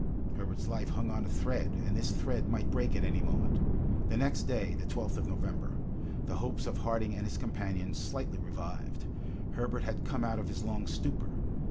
Herbert's life hung on a thread, and this thread might break at any moment. The next day, the 12th of November, the hopes of Harding and his companions slightly revived. Herbert had come out of his long stupor.